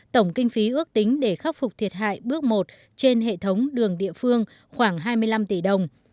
tổng kinh phí ước tính để khắc phục thiệt hại bước một trên hệ thống đường địa phương khoảng hai mươi năm tỷ đồng